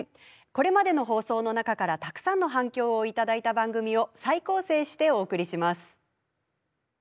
これまでの放送の中からたくさんの反響を頂いた番組を再構成してお送りします。